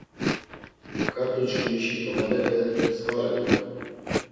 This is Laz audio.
Ǩat̆uçkimişi tomalepe mskva renan.